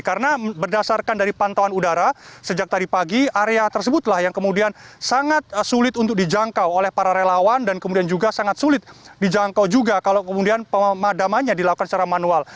karena berdasarkan dari pantauan udara sejak tadi pagi area tersebutlah yang kemudian sangat sulit untuk dijangkau oleh para relawan dan kemudian juga sangat sulit dijangkau juga kalau kemudian pemadamannya dilakukan secara manual